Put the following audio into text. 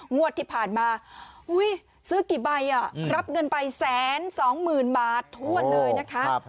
งวดที่ผ่านมาซื้อกี่ใบอ่ะรับเงินไปแสนสองหมื่นบาททวดเลยนะคะ